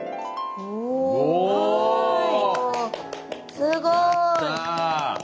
すごい。